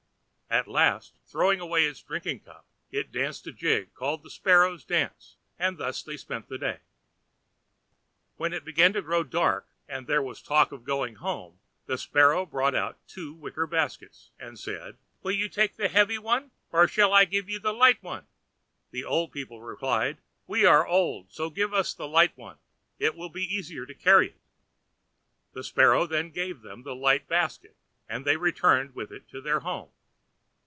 At last, throwing away its drinking cup, it danced a jig called the Sparrow's dance, and thus they spent the day. When it began to grow dark, and there was talk of going home, the Sparrow brought out two wicker baskets and said: "Will you take the heavy one, or shall I give you the light one?" The old people replied: "We are old, so give us the light one; it will be easier to carry it." The Sparrow then gave them the light basket, and they returned with it to their home.